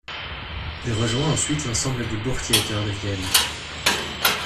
Il rejoint ensuite l'ensemble du Burgtheater de Vienne.